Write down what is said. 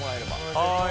はい。